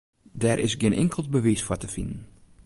Dêr is gjin inkeld bewiis foar te finen.